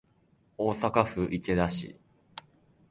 大阪府池田市